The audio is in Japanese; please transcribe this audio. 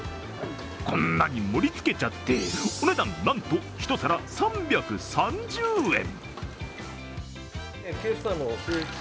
こんなに盛りつけちゃってお値段なんと１皿３３０円。